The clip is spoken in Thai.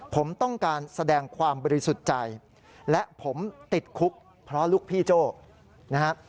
ผมต้องการแสดงความบริสุทธิ์ใจและผมติดคุกเพราะลูกพี่โจ้นะครับ